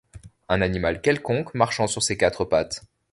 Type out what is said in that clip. Un animal quelconque, marchant sur ses quatre pattes